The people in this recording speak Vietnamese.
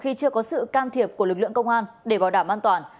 khi chưa có sự can thiệp của lực lượng công an để bảo đảm an toàn